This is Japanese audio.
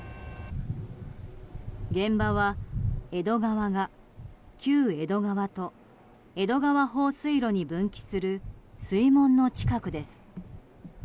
現場は、江戸川が旧江戸川と江戸川放水路に分岐する水門の近くです。